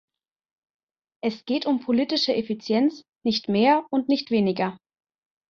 Es geht um politische Effizienz, nicht mehr und nicht weniger.